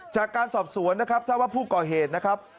จากการสอบสวนนะครับทราบว่าผู้ก่อเหตุนะครับ